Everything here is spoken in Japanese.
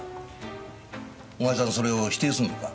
お前さんそれを否定するのか？